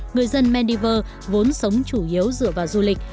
người dân meniver vốn sống chủ yếu dựa vào du lịch